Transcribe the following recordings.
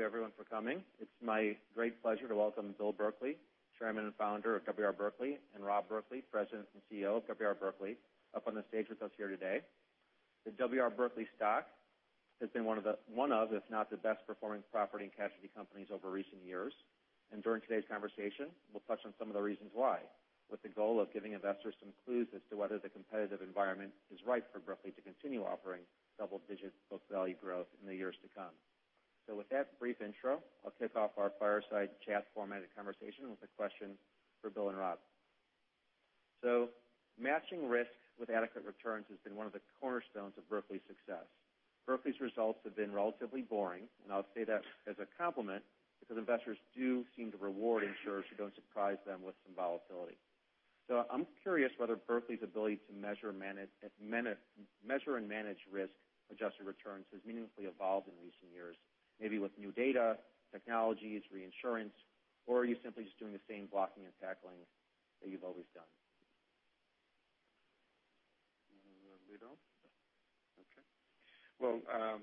Thank you everyone for coming. It's my great pleasure to welcome Bill Berkley, Chairman and Founder of W. R. Berkley, and Rob Berkley, President and CEO of W. R. Berkley, up on the stage with us here today. The W. R. Berkley stock has been one of, if not the, best performing property and casualty companies over recent years. During today's conversation, we'll touch on some of the reasons why, with the goal of giving investors some clues as to whether the competitive environment is ripe for Berkley to continue offering double-digit book value growth in the years to come. With that brief intro, I'll kick off our fireside chat formatted conversation with a question for Bill and Rob. Matching risk with adequate returns has been one of the cornerstones of Berkley's success. Berkley's results have been relatively boring, and I'll say that as a compliment because investors do seem to reward insurers who don't surprise them with some volatility. I'm curious whether Berkley's ability to measure and manage risk-adjusted returns has meaningfully evolved in recent years, maybe with new data, technologies, reinsurance, or are you simply just doing the same blocking and tackling that you've always done? [inaudible] Okay.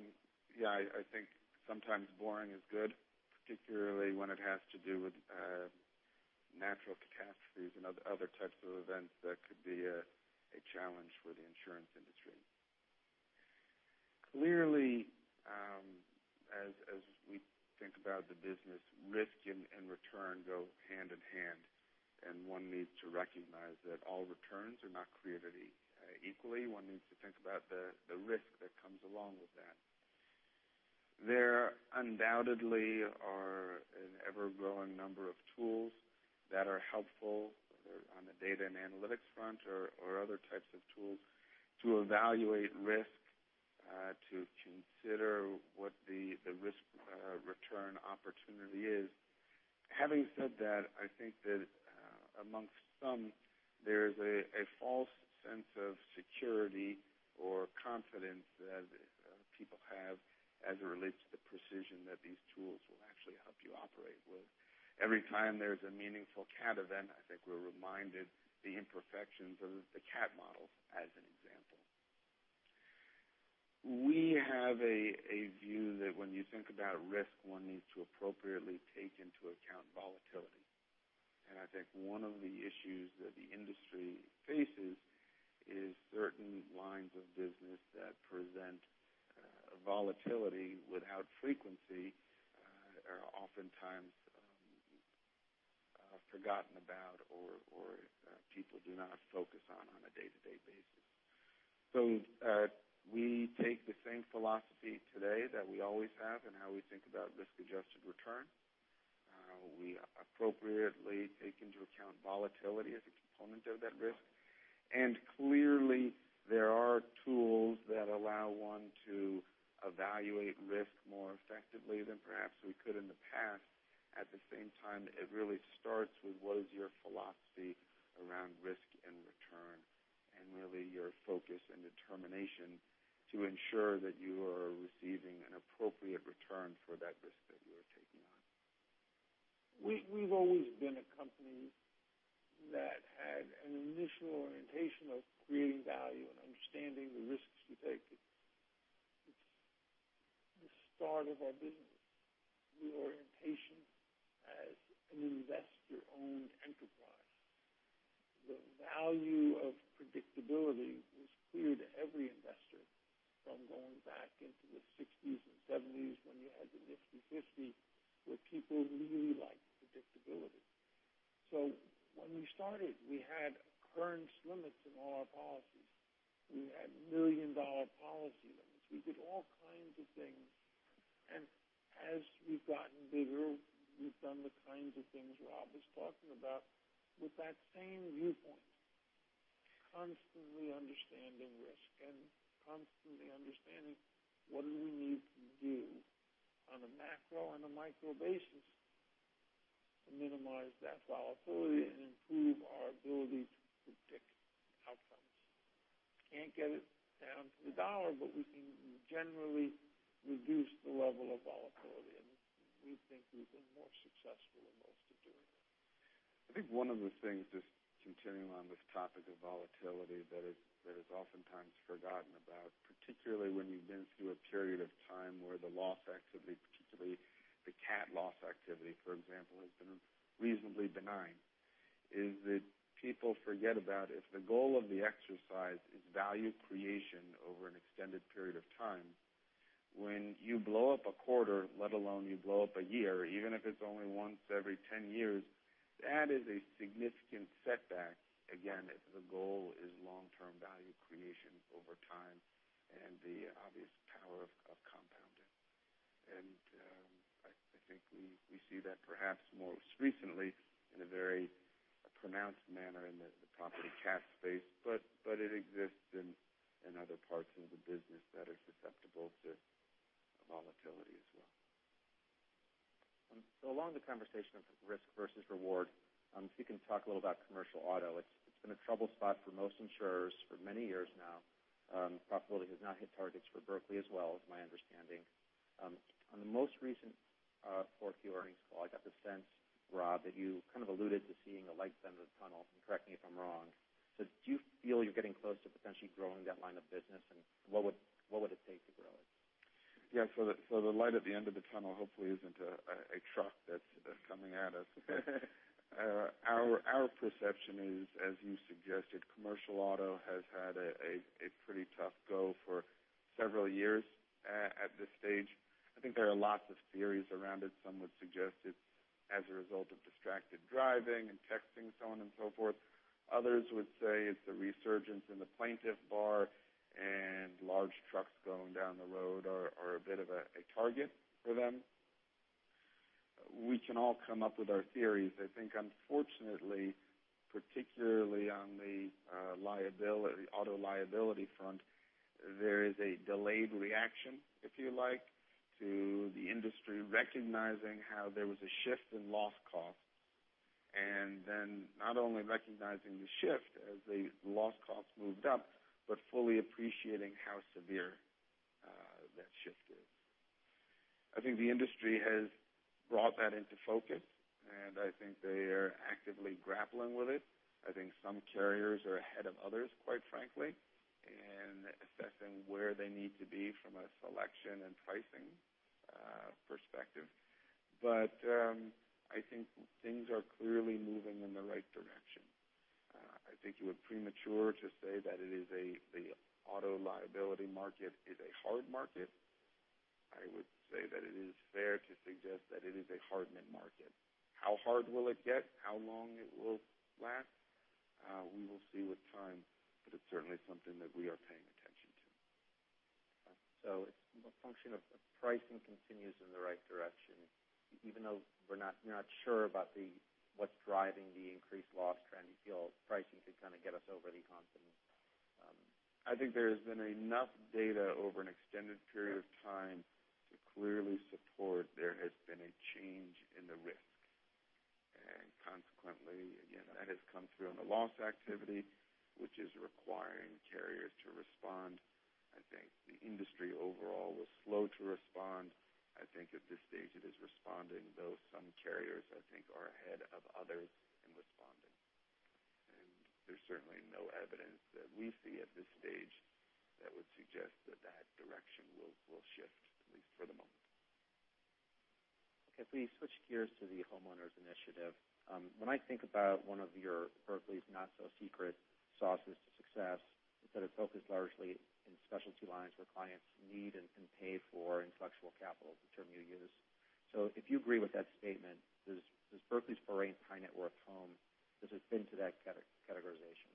Yeah, I think sometimes boring is good, particularly when it has to do with natural catastrophes and other types of events that could be a challenge for the insurance industry. As we think about the business, risk and return go hand in hand, and one needs to recognize that all returns are not created equally. One needs to think about the risk that comes along with that. There undoubtedly are an ever-growing number of tools that are helpful, whether on the data and analytics front or other types of tools to evaluate risk, to consider what the risk return opportunity is. Having said that, I think that amongst some, there is a false sense of security or confidence that people have as it relates to the precision that these tools will actually help you operate with. Every time there's a meaningful cat event, I think we're reminded the imperfections of the catastrophe models, as an example. We have a view that when you think about risk, one needs to appropriately take into account volatility. I think one of the issues that the industry faces is certain lines of business that present volatility without frequency are oftentimes forgotten about or people do not focus on a day-to-day basis. We take the same philosophy today that we always have in how we think about risk-adjusted return. We appropriately take into account volatility as a component of that risk. Clearly, there are tools that allow one to evaluate risk more effectively than perhaps we could in the past. At the same time, it really starts with what is your philosophy around risk and return, and really your focus and determination to ensure that you are receiving an appropriate return for that risk that you are taking on. We've always been a company that had an initial orientation of creating value and understanding the risks we take. It's the start of our business. The orientation as an investor-owned enterprise. The value of predictability was clear to every investor from going back into the '60s and '70s when you had the Nifty Fifty, where people really liked predictability. When we started, we had occurrence limits in all our policies. We had million-dollar policy limits. We did all kinds of things. As we've gotten bigger, we've done the kinds of things Rob was talking about with that same viewpoint. Constantly understanding risk and constantly understanding what do we need to do on a macro and a micro basis to minimize that volatility and improve our ability to predict outcomes. Can't get it down to the dollar, we can generally reduce the level of volatility, and we think we've been more successful than most at doing it. I think one of the things, just continuing on this topic of volatility that is oftentimes forgotten about, particularly when you've been through a period of time where the loss activity, particularly the cat loss activity, for example, has been reasonably benign, is that people forget about if the goal of the exercise is value creation over an extended period of time, when you blow up a quarter, let alone you blow up a year, even if it's only once every 10 years, that is a significant setback. Again, if the goal is long-term value creation over time and the obvious power of compounding. I think we see that perhaps most recently in a very pronounced manner in the property cat space, it exists in other parts of the business that are susceptible to volatility as well. Along the conversation of risk versus reward, if you can talk a little about commercial auto. It's been a trouble spot for most insurers for many years now. Profitability has not hit targets for Berkley as well, is my understanding. On the most recent 4Q earnings call, I got the sense, Rob, that you kind of alluded to seeing a light at the end of the tunnel. Correct me if I'm wrong. Do you feel you're getting close to potentially growing that line of business, and what would it take to grow it? Yeah. The light at the end of the tunnel hopefully isn't a truck that's coming at us. Our perception is, as you suggested, commercial auto has had a pretty tough go for several years at this stage. I think there are lots of theories around it. Some would suggest it's as a result of distracted driving and texting, so on and so forth. Others would say it's a resurgence in the plaintiff bar and large trucks going down the road are a bit of a target for them. We can all come up with our theories. I think unfortunately, particularly on the auto liability front, there is a delayed reaction, if you like, to the industry recognizing how there was a shift in loss cost. Not only recognizing the shift as the loss cost moved up, but fully appreciating how severe that shift is. I think the industry has brought that into focus, and I think they are actively grappling with it. I think some carriers are ahead of others, quite frankly, in assessing where they need to be from a selection and pricing perspective. I think things are clearly moving in the right direction. I think it would be premature to say that the auto liability market is a hard market. I would say that it is fair to suggest that it is a hardening market. How hard will it get? How long it will last? We will see with time, but it's certainly something that we are paying attention to. It's a function of pricing continues in the right direction, even though you're not sure about what's driving the increased loss trend, you feel pricing could kind of get us over the hump then? I think there has been enough data over an extended period of time to clearly support there has been a change in the risk. Consequently, again, that has come through on the loss activity, which is requiring carriers to respond. I think the industry overall was slow to respond. I think at this stage it is responding, though some carriers, I think are ahead of others in responding. There's certainly no evidence that we see at this stage that would suggest that direction will shift, at least for the moment. Okay. If we switch gears to the homeowners initiative. When I think about one of your, Berkley's not-so-secret sauces to success, it's that it's focused largely in specialty lines where clients need and can pay for intellectual capital, the term you use. If you agree with that statement, does Berkley's foray into high-net-worth home, does it fit into that categorization?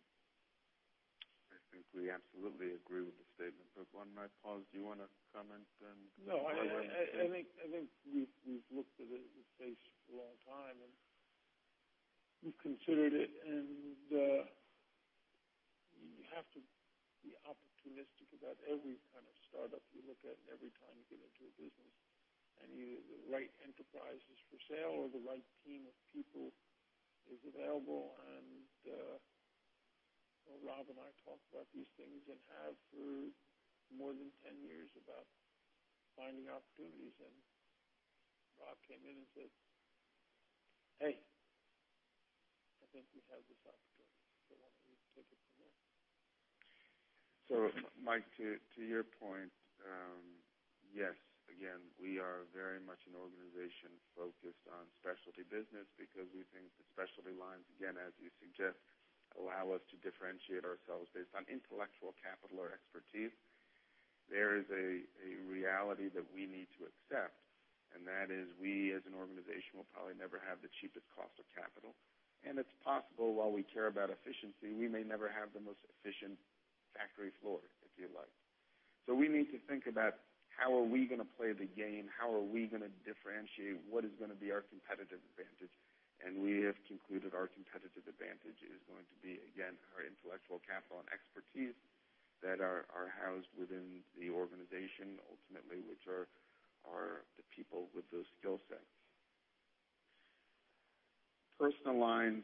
I think we absolutely agree with the statement, one might pause. Do you want to comment then? No, I think we've looked at this space for a long time, and we've considered it, you have to be opportunistic about every kind of startup you look at and every time you get into a business. The right enterprise is for sale or the right team of people is available. Rob and I talked about these things and have for more than 10 years about finding opportunities. Rob came in and said, "Hey, I think we have this opportunity, why don't we take it from there? Mike, to your point, yes, again, we are very much an organization focused on specialty business because we think the specialty lines, again, as you suggest, allow us to differentiate ourselves based on intellectual capital or expertise. There is a reality that we need to accept, and that is we as an organization will probably never have the cheapest cost of capital. It's possible while we care about efficiency, we may never have the most efficient factory floor, if you like. We need to think about how are we going to play the game, how are we going to differentiate what is going to be our competitive advantage? We have concluded our competitive advantage is going to be, again, our intellectual capital and expertise that are housed within the organization, ultimately, which are the people with those skill sets. Personal lines,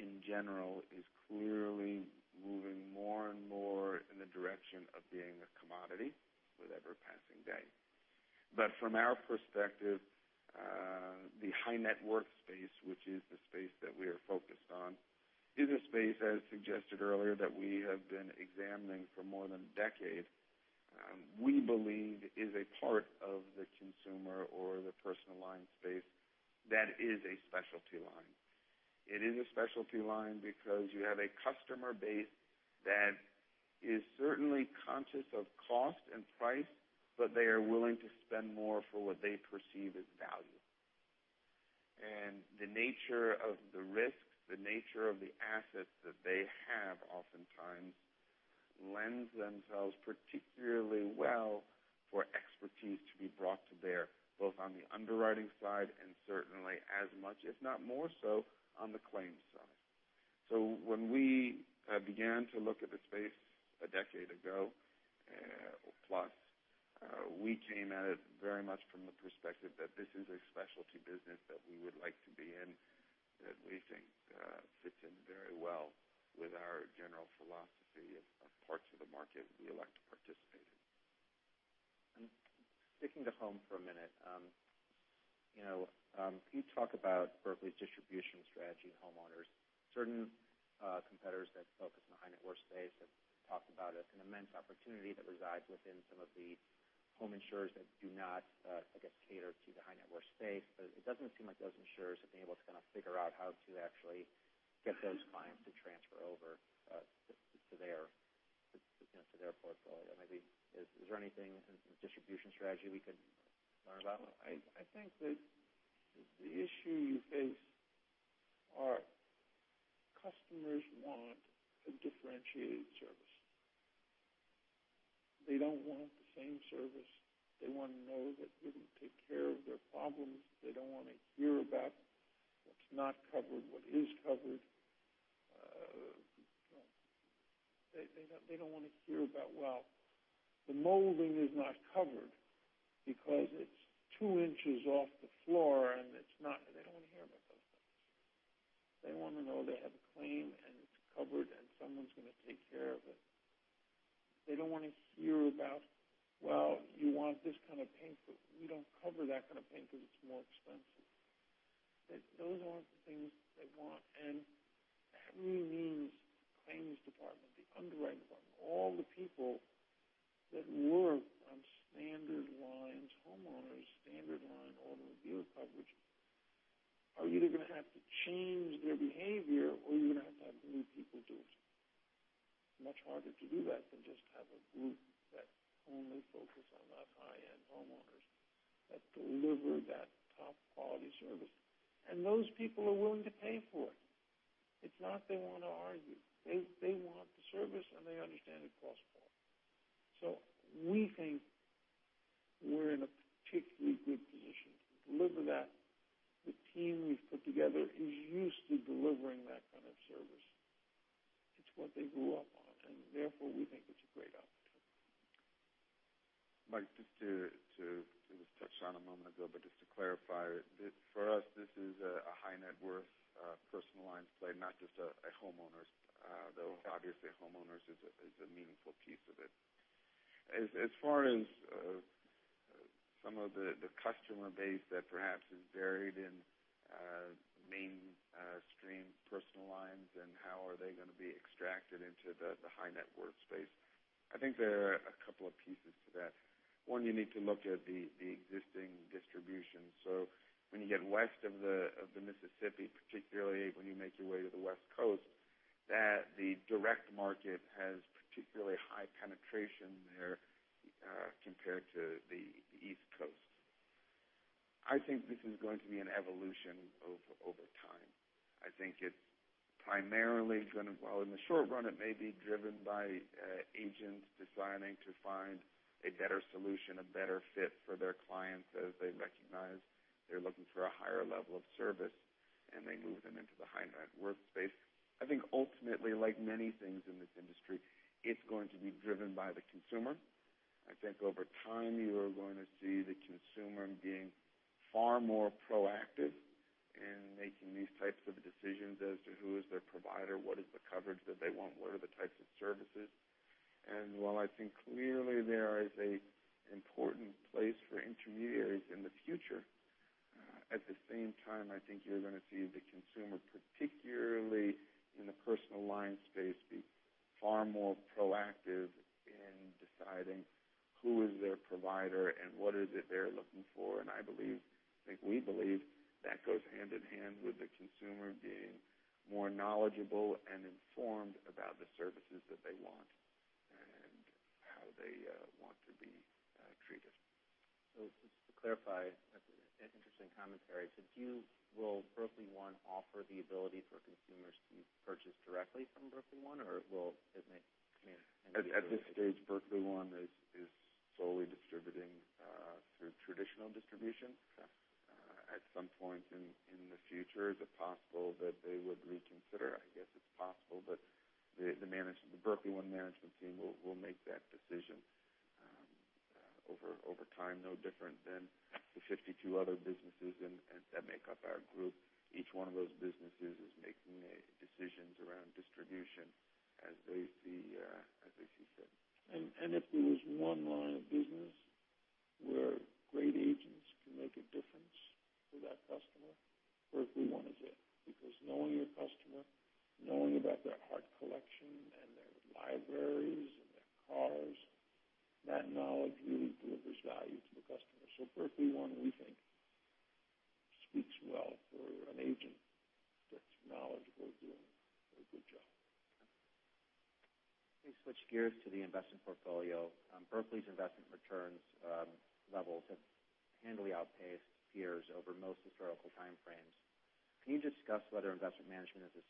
in general, is clearly moving more and more in the direction of being a commodity with every passing day. From our perspective, the high net worth space, which is the space that we are focused on, is a space as suggested earlier, that we have been examining for more than a decade. We believe is a part of the consumer or the personal line space that is a specialty line. It is a specialty line because you have a customer base that is certainly conscious of cost and price, but they are willing to spend more for what they perceive as value. The nature of the risk, the nature of the assets that they have oftentimes lends themselves particularly well for expertise to be brought to bear, both on the underwriting side and certainly as much, if not more so, on the claims side. When we began to look at the space a decade ago plus, we came at it very much from the perspective that this is a specialty business that we would like to be in, that we think fits in very well with our general Market we elect to participate in. Sticking to home for a minute, can you talk about Berkley's distribution strategy in homeowners? Certain competitors that focus on the high net worth space have talked about an immense opportunity that resides within some of the home insurers that do not, I guess, cater to the high net worth space. It doesn't seem like those insurers have been able to figure out how to actually get those clients to transfer over to their portfolio. Is there anything in distribution strategy we could learn about? I think that the issue you face are customers want a differentiated service. They don't want the same service. They want to know that we're going to take care of their problems. They don't want to hear about what's not covered, what is covered. They don't want to hear about, well, the molding is not covered because it's 2 inches off the floor. They don't want to hear about those things. They want to know they have a claim, and it's covered, and someone's going to take care of it. They don't want to hear about, well, you want this kind of paint, but we don't cover that kind of paint because it's more expensive. Those aren't the things they want, and that really means the claims department, the underwriting department, all the people that work on standard lines, homeowners standard line, automobile coverage, are either going to have to change their behavior, or you're going to have to have new people do it. Much harder to do that than just have a group that only focus on those high-end homeowners that deliver that top-quality service. Those people are willing to pay for it. It's not they want to argue. They want the service, and they understand it costs more. We think we're in a particularly good position to deliver that. The team we've put together is used to delivering that kind of service. It's what they grew up on, and therefore we think it's a great opportunity. Mike, it was touched on a moment ago, but just to clarify, for us, this is a high net worth personal lines play, not just a homeowners, though obviously homeowners is a meaningful piece of it. As far as some of the customer base that perhaps is buried in mainstream personal lines and how are they going to be extracted into the high net worth space, I think there are a couple of pieces to that. One, you need to look at the existing distribution. When you get west of the Mississippi, particularly when you make your way to the West Coast, that the direct market has particularly high penetration there compared to the East Coast. I think this is going to be an evolution over time. I think it's primarily going to, well, in the short run, it may be driven by agents desiring to find a better solution, a better fit for their clients as they recognize they're looking for a higher level of service, and they move them into the high net worth space. I think ultimately, like many things in this industry, it's going to be driven by the consumer. I think over time, you are going to see the consumer being far more proactive in making these types of decisions as to who is their provider, what is the coverage that they want, what are the types of services. While I think clearly there is an important place for intermediaries in the future, at the same time, I think you're going to see the consumer, particularly in the personal line space, be far more proactive in deciding who is their provider and what is it they're looking for. I believe, I think we believe, that goes hand in hand with the consumer being more knowledgeable and informed about the services that they want and how they want to be treated. Just to clarify, that's an interesting commentary. Will Berkley One offer the ability for consumers to purchase directly from Berkley One, or will it? At this stage, Berkley One is solely distributing through traditional distribution. Okay. At some point in the future, is it possible that they would reconsider? I guess it's possible, but the Berkley One management team will make that decision over time, no different than the 52 other businesses that make up our group. Each one of those businesses is making decisions around distribution as they see fit. If there was one line of business where great agents can make a difference to that customer, Berkley One is it. Knowing your customer, knowing about their art collection, and their libraries, and their cars, that knowledge really delivers value to the customer. Berkley One, we think, speaks well for an agent that's knowledgeable doing a good job. Let me switch gears to the investment portfolio. Berkley's investment returns levels have handily outpaced peers over most historical time frames. Can you discuss whether investment management is a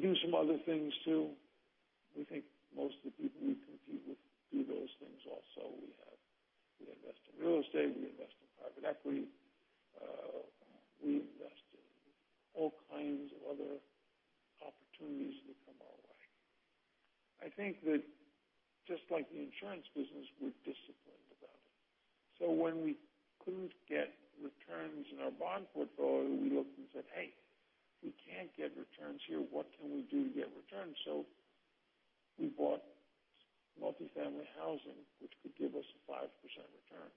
skill set you believe to be a core competitive advantage? If the answer is yes, perhaps you can shed more light on Berkley's investment operations. I think that from our point of view, investment management is a skill set every insurance company needs to put a development of how you invest. The core of our portfolio. We think we have lots of people within our group, not lots, but a number of people who do an outstanding job. We do some other things, too. We think most of the people we compete with do those things also. We invest in real estate, we invest in private equity, we invest in all kinds of other opportunities that come our way. I think that just like the insurance business, we're disciplined about it. When we couldn't get returns in our bond portfolio, we looked and said, "Hey, we can't get returns here. What can we do to get returns?" We bought multi-family housing, which could give us a 5% return.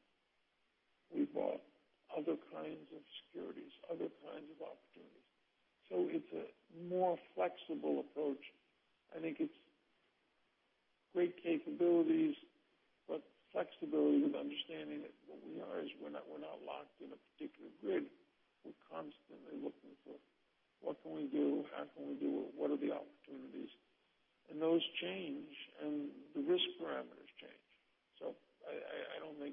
We bought other kinds of securities, other kinds of opportunities. It's a more flexible approach. I think it's great capabilities, but flexibility with understanding that what we are is we're not locked in a particular grid. We're constantly looking for what can we do, how can we do it, what are the opportunities? Those change, and the risk parameters change. I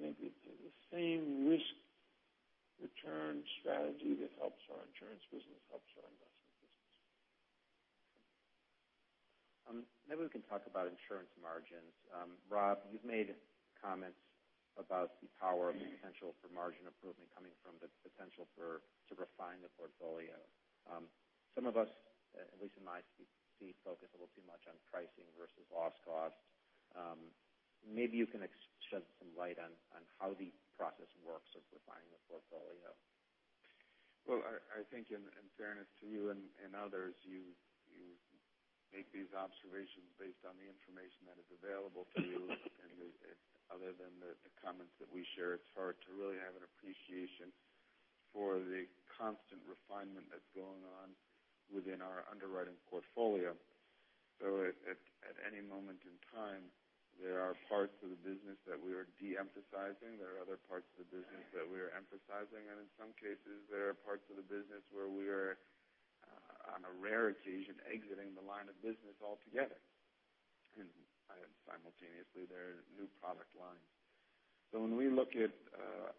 think the same risk-return strategy that helps our insurance business helps our investment business. Maybe we can talk about insurance margins. Rob, you've made comments about the power of the potential for margin improvement coming from the potential to refine the portfolio. Some of us, at least in my seat, see focus a little too much on pricing versus loss cost. Maybe you can shed some light on how the process works of refining the portfolio. Well, I think in fairness to you and others, you make these observations based on the information that is available to you other than the comments that we share. It's hard to really have an appreciation for the constant refinement that's going on within our underwriting portfolio. At any moment in time, there are parts of the business that we are de-emphasizing. There are other parts of the business that we are emphasizing, and in some cases, there are parts of the business where we are, on a rare occasion, exiting the line of business altogether. Simultaneously, there are new product lines. When we look at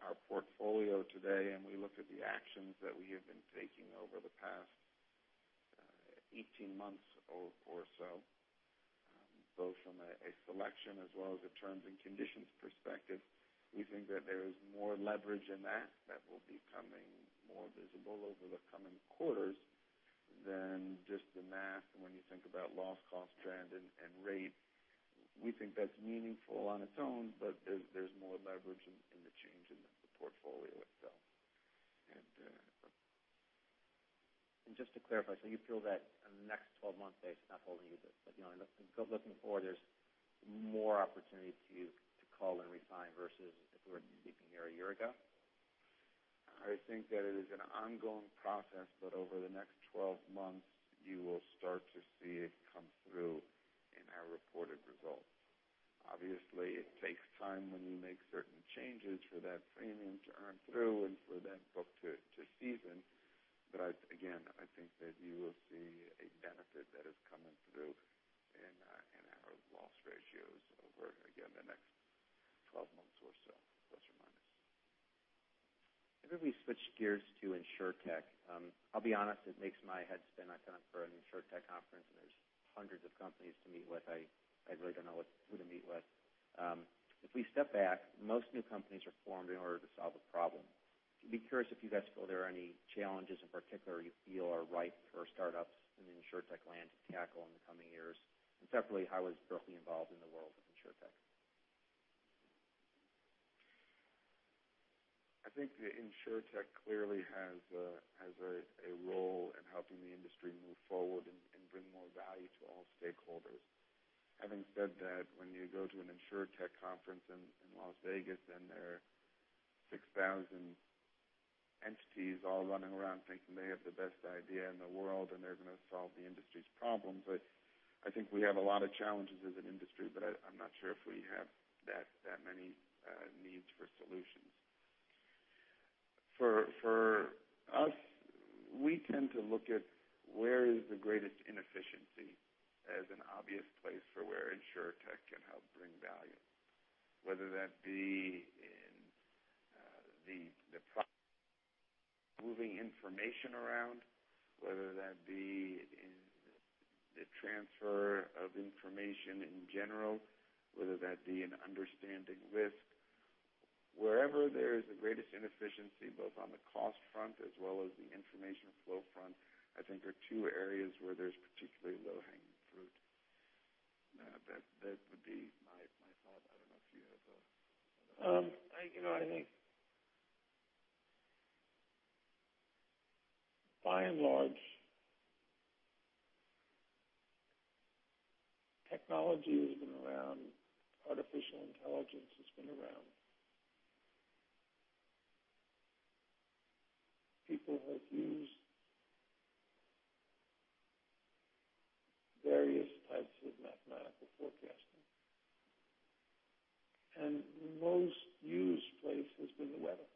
our portfolio today and we look at the actions that we have been taking over the past 18 months or so, both from a selection as well as a terms and conditions perspective, we think that there is more leverage in that that will be coming more visible over the coming quarters than just the math when you think about loss cost trend and rate. We think that's meaningful on its own, but there's more leverage in the change in the portfolio itself. Just to clarify, so you feel that in the next 12 months, based on not holding you to this, but looking forward, there's more opportunity to cull and refine versus if we were speaking here a year ago? I think that it is an ongoing process, over the next 12 months, you will start to see it come through in our reported results. Obviously, it takes time when you make certain changes for that premium to earn through and for that book to season. Again, I think that you will see a benefit that is coming through in our loss ratios over, again, the next 12 months or so, plus or minus. Maybe we switch gears to Insurtech. I'll be honest, it makes my head spin. I've gone for an Insurtech conference, there's hundreds of companies to meet with. I really don't know who to meet with. If we step back, most new companies are formed in order to solve a problem. I'd be curious if you guys feel there are any challenges in particular you feel are ripe for startups in the Insurtech land to tackle in the coming years, and separately, how is Berkley involved in the world of Insurtech? I think the Insurtech clearly has a role in helping the industry move forward and bring more value to all stakeholders. Having said that, when you go to an Insurtech conference in Las Vegas and there are 6,000 entities all running around thinking they have the best idea in the world and they're going to solve the industry's problems, I think we have a lot of challenges as an industry, I'm not sure if we have that many needs for solutions. For us, we tend to look at where is the greatest inefficiency as an obvious place for where Insurtech can help bring value, whether that be in the moving information around, whether that be in the transfer of information in general, whether that be in understanding risk. Wherever there is the greatest inefficiency, both on the cost front as well as the information flow front, I think are two areas where there's particularly low-hanging fruit. That would be my thought. I don't know if you have. I think, by and large, technology has been around, artificial intelligence has been around. People have used various types of mathematical forecasting, and the most used place has been the weather,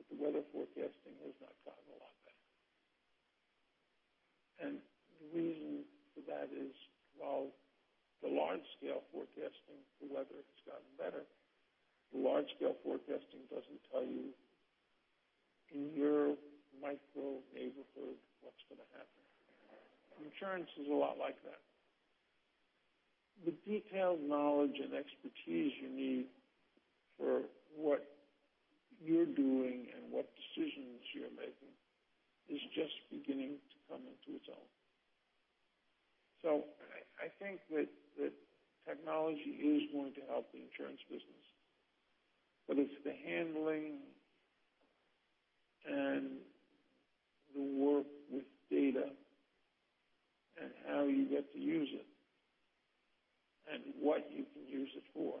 but the weather forecasting has not gotten better. The reason for that is while the large scale forecasting for weather has gotten better, the large scale forecasting doesn't tell you in your micro neighborhood what's going to happen. Insurance is a lot like that. The detailed knowledge and expertise you need for what you're doing and what decisions you're making is just beginning to come into its own. I think that technology is going to help the insurance business, but it's the handling and the work with data and how you get to use it, and what you can use it for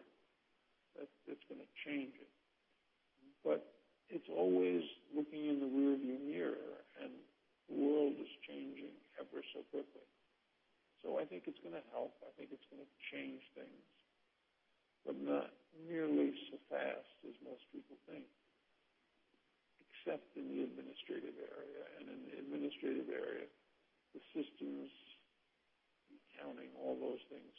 that's going to change it. It's always looking in the rear view mirror, and the world is changing ever so quickly. I think it's going to help. I think it's going to change things, but not nearly so fast as most people think, except in the administrative area. In the administrative area, the systems, accounting, all those things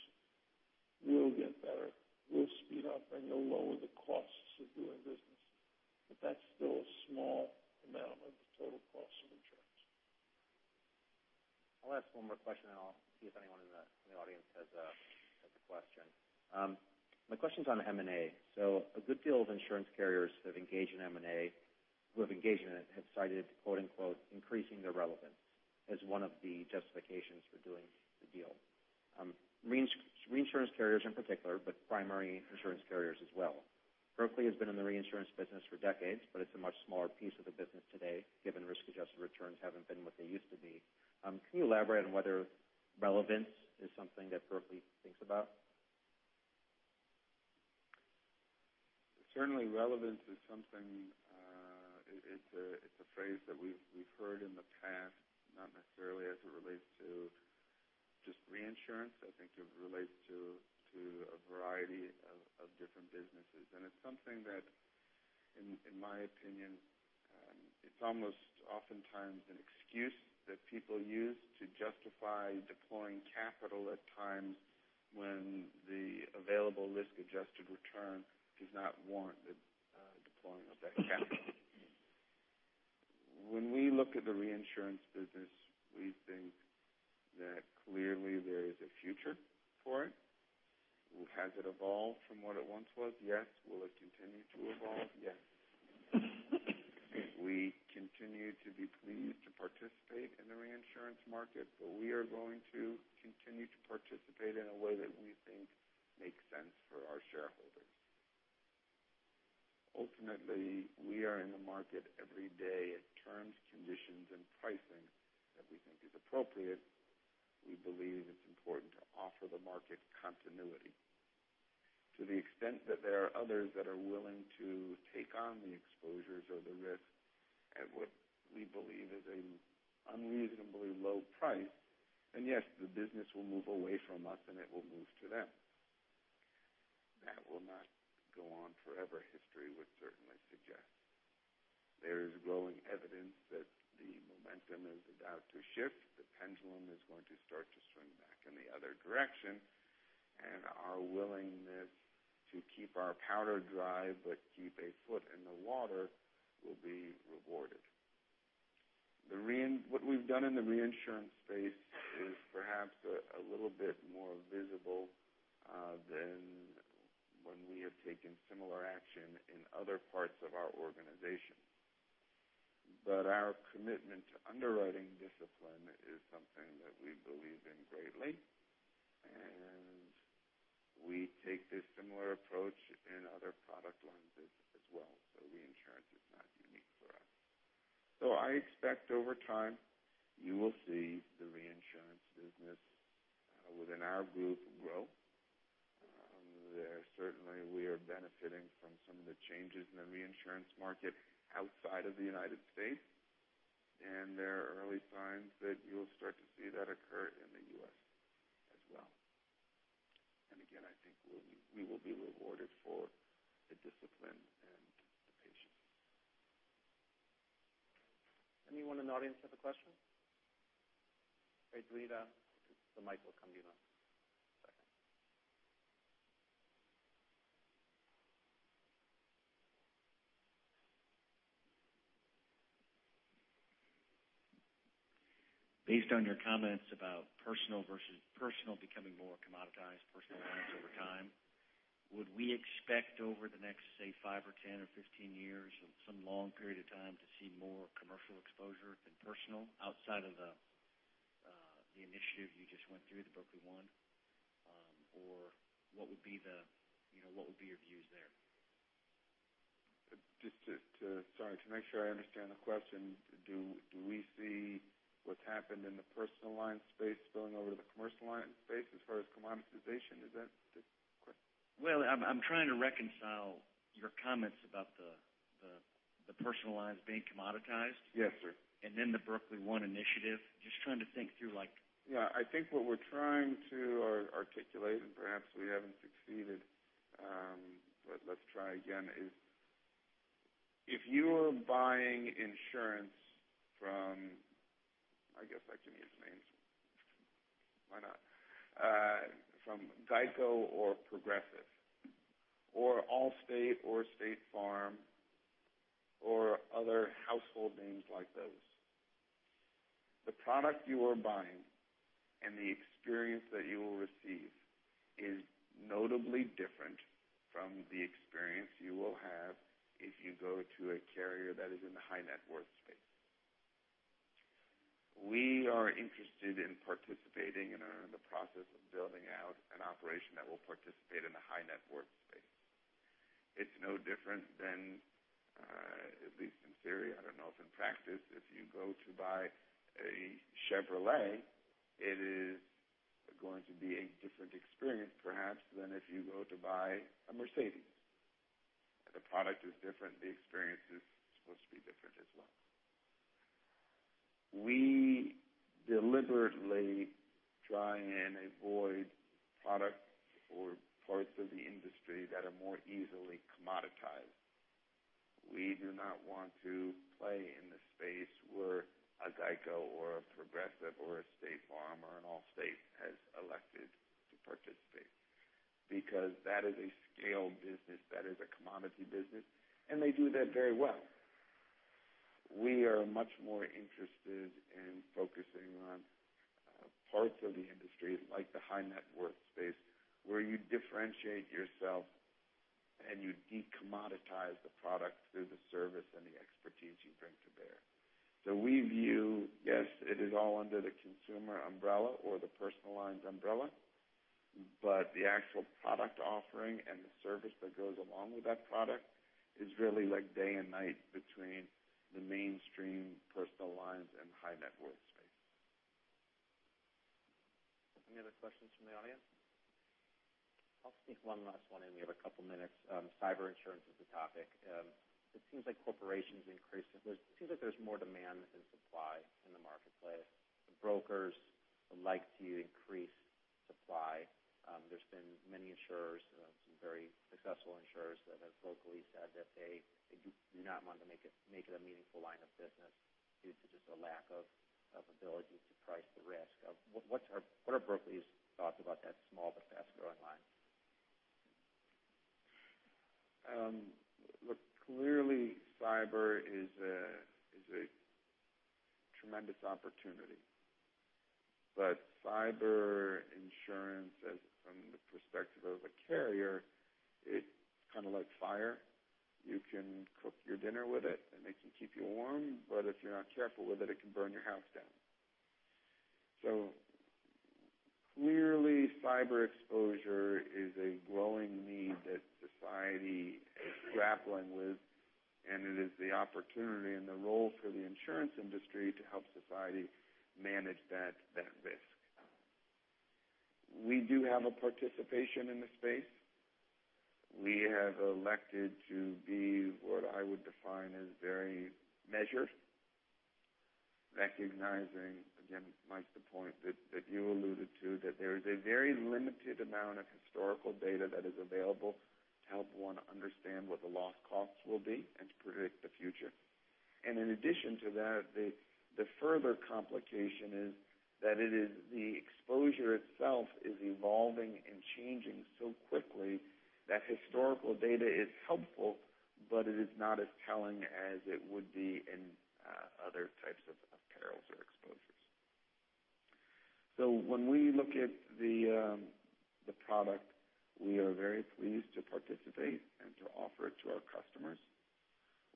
will get better. We'll speed up, and you'll lower the costs of doing business. That's still a small amount of the total cost of insurance. I'll ask one more question, and I'll see if anyone in the audience has a question. My question's on M&A. A good deal of insurance carriers that have engaged in M&A have cited "increasing their relevance" as one of the justifications for doing the deal. Reinsurance carriers in particular, but primary insurance carriers as well. Berkley has been in the reinsurance business for decades, but it's a much smaller piece of the business today, given risk-adjusted returns haven't been what they used to be. Can you elaborate on whether relevance is something that Berkley thinks about? Certainly relevance is something. It's a phrase that we've heard in the past, not necessarily as it relates to just reinsurance. I think it relates to a variety of different businesses, and it's something that, in my opinion, it's almost oftentimes an excuse that people use to justify deploying capital at times when the available risk-adjusted return does not warrant the deployment of that capital. When we look at the reinsurance business, we think that clearly there is a future for it. Has it evolved from what it once was? Yes. Will it continue to evolve? Yes. We continue to be pleased to participate in the reinsurance market, but we are going to continue to participate in a way that we think makes sense for our shareholders. Ultimately, we are in the market every day at terms, conditions, and pricing that we think is appropriate. We believe it's important to offer the market continuity. To the extent that there are others that are willing to take on the exposures or the risk at what we believe is an unreasonably low price, yes, the business will move away from us, and it will move to them. That will not go on forever. History would certainly suggest there is growing evidence that the momentum is about to shift. The pendulum is going to start to swing back in the other direction, our willingness to keep our powder dry but keep a foot in the water will be rewarded. What we've done in the reinsurance space is perhaps a little bit more visible than when we have taken similar action in other parts of our organization. Our commitment to underwriting discipline is something that we believe in greatly, and we take this similar approach in other product lines as well. Reinsurance is not unique for us. I expect over time you will see the reinsurance business within our group grow. Certainly, we are benefiting from some of the changes in the reinsurance market outside of the United States, and there are early signs that you'll start to see that occur in the U.S. as well. Again, I think we will be rewarded for the discipline and the patience. Anyone in the audience have a question? Hey, Rita, the mic will come to you in a second. Based on your comments about personal becoming more commoditized, personal lines over time, would we expect over the next, say, five or 10 or 15 years of some long period of time to see more commercial exposure than personal outside of the initiative you just went through, the Berkley One? What would be your views there? Sorry, to make sure I understand the question, do we see what's happened in the personal line space spilling over to the commercial line space as far as commoditization? Is that the question? Well, I'm trying to reconcile your comments about the personal lines being commoditized. Yes, sir. The Berkley One initiative. Just trying to think through like- Yeah, I think what we're trying to articulate, and perhaps we haven't succeeded but let's try again, is If you are buying insurance from, I guess I can use names, why not? From GEICO or Progressive, or Allstate or State Farm, or other household names like those, the product you are buying and the experience that you will receive is notably different from the experience you will have if you go to a carrier that is in the high net worth space. We are interested in participating and are in the process of building out an operation that will participate in the high net worth space. It's no different than, at least in theory, I don't know if in practice, if you go to buy a Chevrolet, it is going to be a different experience perhaps than if you go to buy a Mercedes-Benz. The product is different, the experience is supposed to be different as well. We deliberately try and avoid products or parts of the industry that are more easily commoditized. We do not want to play in the space where a GEICO or a Progressive or a State Farm or an Allstate has elected to participate, because that is a scale business, that is a commodity business, and they do that very well. We are much more interested in focusing on parts of the industry, like the high net worth space, where you differentiate yourself and you de-commoditize the product through the service and the expertise you bring to bear. We view, yes, it is all under the consumer umbrella or the personal lines umbrella, but the actual product offering and the service that goes along with that product is really like day and night between the mainstream personal lines and high net worth space. Any other questions from the audience? I'll sneak one last one in. We have a couple of minutes. Cyber insurance is the topic. It seems like corporations. It seems like there's more demand than supply in the marketplace. The brokers would like to increase supply. There's been many insurers, some very successful insurers that have vocally said that they do not want to make it a meaningful line of business due to just a lack of ability to price the risk. What are Berkley's thoughts about that small but fast-growing line? Look, clearly, cyber is a tremendous opportunity, but cyber insurance, from the perspective of a carrier, it's kind of like fire. You can cook your dinner with it, and it can keep you warm, but if you're not careful with it can burn your house down. Clearly, cyber exposure is a growing need that society is grappling with, and it is the opportunity and the role for the insurance industry to help society manage that risk. We do have a participation in the space. We have elected to be what I would define as very measured, recognizing, again, Mike, the point that you alluded to, that there is a very limited amount of historical data that is available to help one understand what the loss costs will be and to predict the future. In addition to that, the further complication is that it is the exposure itself is evolving and changing so quickly that historical data is helpful, but it is not as telling as it would be in other types of perils or exposures. When we look at the product, we are very pleased to participate and to offer it to our customers.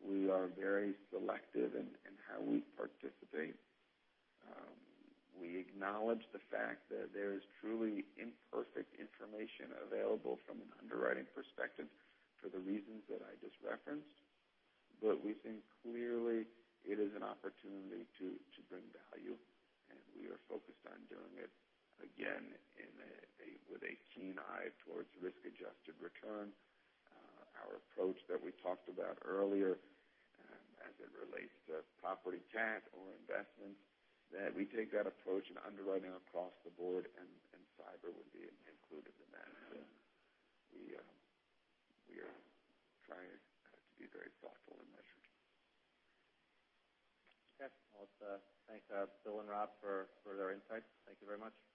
We are very selective in how we participate. We acknowledge the fact that there is truly imperfect information available from an underwriting perspective for the reasons that I just referenced. We think clearly it is an opportunity to bring value, and we are focused on doing it, again, with a keen eye towards risk-adjusted return. Our approach that we talked about earlier as it relates to property cat or investments, that we take that approach in underwriting across the board and cyber would be included in that. We are trying to be very thoughtful and measured. Okay. Well, let's thank Bill and Rob for their insights. Thank you very much.